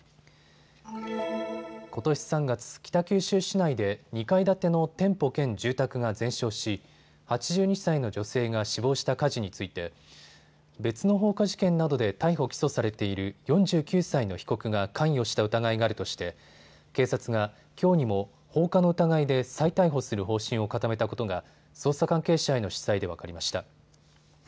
ことし３月、北九州市内で２階建ての店舗兼住宅が全焼し８２歳の女性が死亡した火事について別の放火事件などで逮捕・起訴されている４９歳の被告が関与した疑いがあるとして警察が、きょうにも放火の疑いで再逮捕する方針を固めたことが捜査関係者への取材で分かりました。